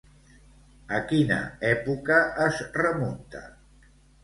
A quina època es remunta?